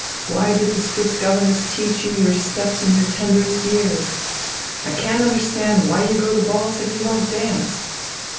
Why did the Swiss governess teach you your steps in your tenderest years? I can't understand why you go to balls if you won't dance?